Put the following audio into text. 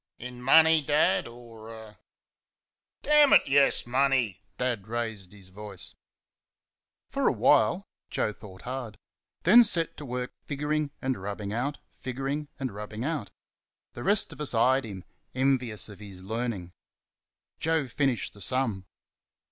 "In money, Dad, or er ?" "Dammit, yes; MONEY!" Dad raised his voice. For a while, Joe thought hard, then set to work figuring and rubbing out, figuring and rubbing out. The rest of us eyed him, envious of his learning. Joe finished the sum.